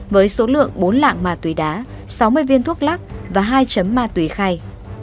với số lượng bốn lạng ma túy đá sáu mươi viên thuốc lắc và hai ma túy khay